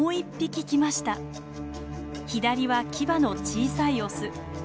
左はキバの小さいオス。